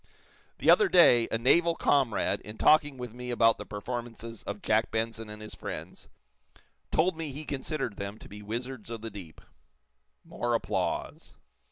"The other day, a naval comrade, in talking with me about the performances of Jack Benson and his friends, told me be considered them to be wizards of the deep." (More applause.)